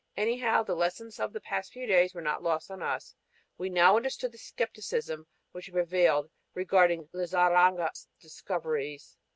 Anyhow, the lessons of the past few days were not lost on us. We now understood the skepticism which had prevailed regarding Lizarraga's discoveries.